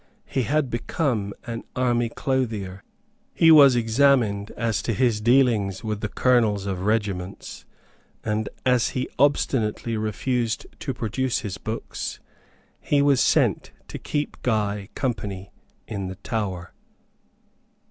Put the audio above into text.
He had become an army clothier. He was examined as to his dealings with the colonels of regiments; and, as he obstinately refused to produce his books, he was sent to keep Guy company in the Tower.